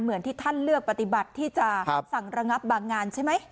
เหมือนที่ท่านเลือกปฏิบัติที่จะสั่งระงับบางงานใช่ไหม